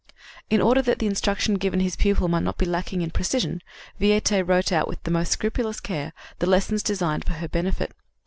In order that the instruction given his pupil might not be lacking in precision, Viète wrote out, with the most scrupulous care, the lessons designed for her benefit.